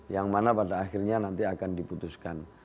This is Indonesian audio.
yang mana pada akhirnya nanti akan diputuskan